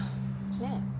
ねえ？